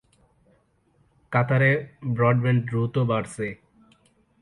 কাতারে ব্রডব্যান্ড দ্রুত বাড়ছে।